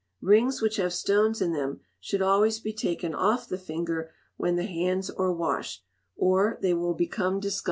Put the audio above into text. Rings which have stones in them should always be taken off the finger when the hands are washed, or they will become discoloured.